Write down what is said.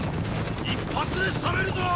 一発で仕留めるぞ！